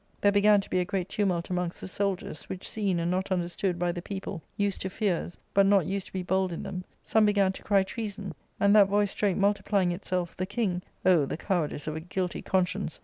There '^^'' began to be a great tumult amongst the soldiers, which seen, and not understood, by the people, used to fears, but not used ^. to be bold in them, some began to cry treason; and that voice straight multiplying itself, the king — O the cowardice of a .'' guilty conscience